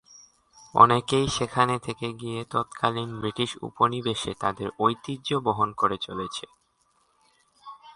অনেকেই সেখানে থেকে গিয়ে তৎকালীন ব্রিটিশ উপনিবেশে তাদের ঐতিহ্য বহন করে চলেছে।